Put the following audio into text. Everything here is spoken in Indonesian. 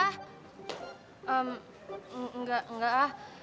ehm enggak enggak ah